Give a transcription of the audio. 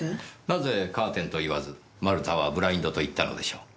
なぜカーテンと言わず丸田はブラインドと言ったのでしょう。